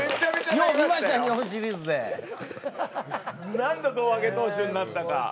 何度胴上げ投手になったか。